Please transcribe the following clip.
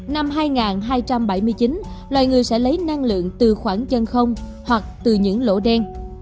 năm hai nghìn hai trăm bảy mươi chín loài người sẽ lấy năng lượng từ khoảng chân không hoặc từ những lỗ đen